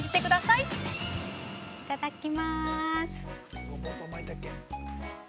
◆いただきます。